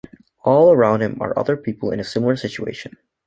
All around him are other people in a similar situation.